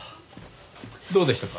どうでしたか？